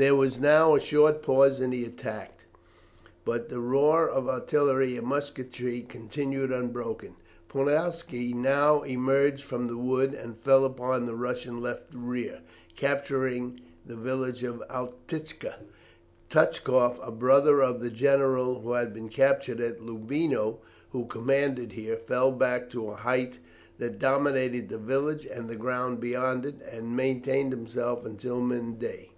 There was now a short pause in the attack, but the roar of artillery and musketry continued unbroken. Poniatowski now emerged from the wood, and fell upon the Russian left rear, capturing the village of Outitska. Touchkoff, a brother of the general who had been captured at Loubino, who commanded here, fell back to a height that dominated the village and the ground beyond it, and maintained himself until mid day.